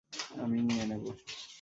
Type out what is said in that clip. আমিই নিয়ে নেবো।